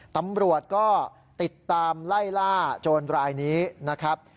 ตำรวจก็ติดตามไล่ล่าโจรรายนี้นะครับ